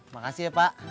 makasih ya pak